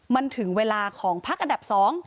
มันถึงเวลาของพักอันดับ๒